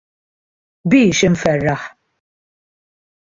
Biex inferraħ?